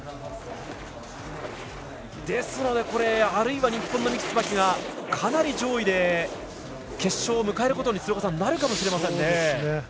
ですので、日本の三木つばきがかなり上位で決勝を迎えることになるかもしれませんね。